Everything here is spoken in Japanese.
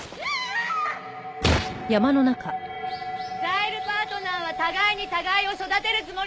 ザイルパートナーは互いに互いを育てるつもりで！